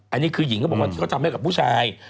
อันนี้คือหญิงเขาบอกว่าที่เขาทำให้กับผู้ชาย